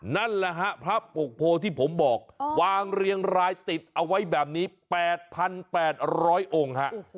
นั่นแหละฮะพระปกโพที่ผมบอกวางเรียงรายติดเอาไว้แบบนี้๘๘๐๐องค์ฮะ